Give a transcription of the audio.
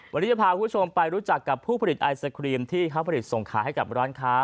วันนี้จะพาคุณผู้ชมไปรู้จักกับผู้ผลิตไอศครีมที่เขาผลิตส่งขายให้กับร้านค้า